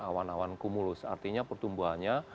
awan awan kumulus artinya pertumbuhannya